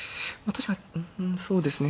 確かにうんそうですね